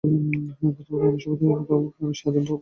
বর্তমান মানব সভ্যতার কোথাও এখন সেই আদিম প্রাক ভাষার অস্তিত্ব নেই।